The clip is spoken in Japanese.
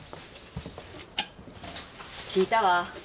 聞いたわ。